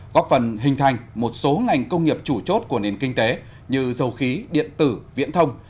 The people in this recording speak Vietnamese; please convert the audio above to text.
góp phần hình thành một số ngành công nghiệp chủ chốt của nền kinh tế như dầu khí điện tử viễn thông